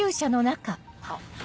あっ。